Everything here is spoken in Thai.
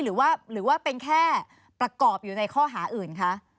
หรือว่าเป็นแค่ประกอบอยู่ในข้อหาอื่นคะ